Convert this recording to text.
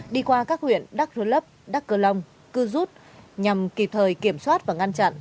đi qua các huyện đắc rơ lấp đắk cơ long cư rút nhằm kịp thời kiểm soát và ngăn chặn